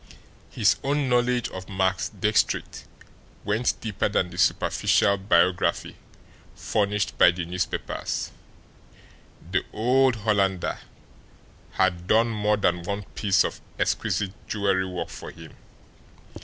His own knowledge of Max Diestricht went deeper than the superficial biography furnished by the newspapers the old Hollander had done more than one piece of exquisite jewelry work for him.